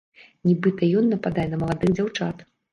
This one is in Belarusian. Нібыта, ён нападае на маладых дзяўчат.